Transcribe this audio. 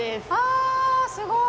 あすごい。